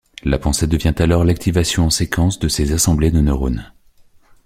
La pensée devient alors l'activation en séquence de ces assemblées de neurones.